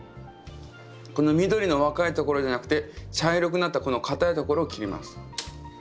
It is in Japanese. この緑の若いところじゃなくて茶色くなったこの硬いところを切ります。